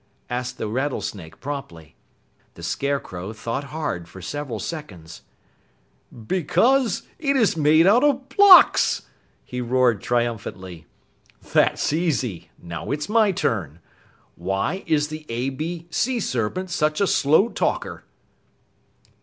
asked the Rattlesnake promptly. The Scarecrow thought hard for several seconds. "Because it is made up of blocks!" he roared triumphantly. "That's easy; now it's my turn. Why is the A B Sea Serpent such a slow talker?"